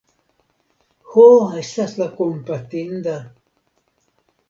Ho, estas la kompatinda .